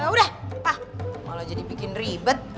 udah pak malah jadi bikin ribet